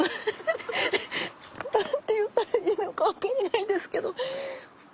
何て言ったらいいのか分からないですけど。